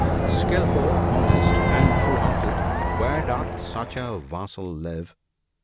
Skilful, honest, and true hearted ; where doth such a Vassal live?"